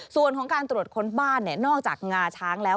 ส่วนของการตรวจค้นบ้านนอกจากงาช้างแล้ว